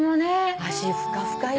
足ふかふかよ。